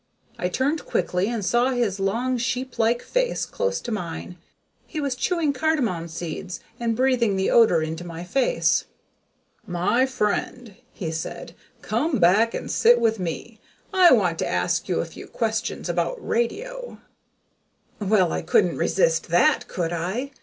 I turned quickly and saw his long sheeplike face close to mine. He was chewing cardamon seed and breathing the odor into my face. [Illustration: Outraged citizens were removing their dead.] "My friend," he said, "come back and sit with me; I want to ask you a few questions about radio." Well, I couldn't resist that, could I?